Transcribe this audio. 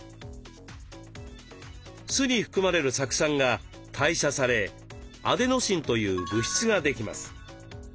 酢に含まれる酢酸が代謝されアデノシンという物質ができます。